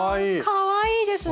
かわいいですね。